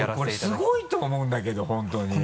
俺すごいと思うんだけど本当に。